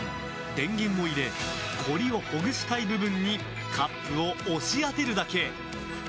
電源を入れ凝りをほぐしたい部分にカップを押し当てるだけ。